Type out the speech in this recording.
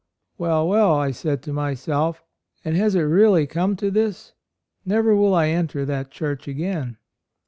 'Well, well,' I said to myself, 'and has it really come to this? Never will I enter that church again."'